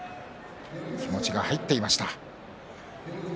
気持ちが入っていました。